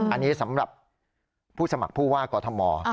อันนี้สำหรับผู้สมัครผู้ว่ากอทม